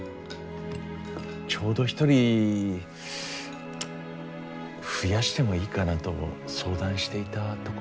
ちょうど一人増やしてもいいかなと相談していたところですし。